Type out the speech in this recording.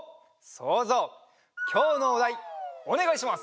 そうぞうきょうのおだいおねがいします！